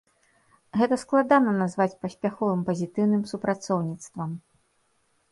Гэта складана назваць паспяховым пазітыўным супрацоўніцтвам.